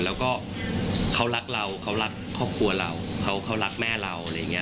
แล้วก็เขารักเราเขารักครอบครัวเราเขารักแม่เราอะไรอย่างนี้